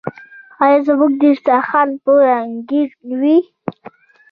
آیا زموږ دسترخان به رنګین وي؟